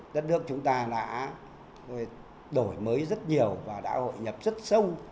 đất nước chúng ta đã đổi mới rất nhiều và đã hội nhập rất sâu